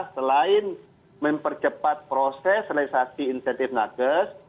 selain mempercepat proses realisasi insentif nakes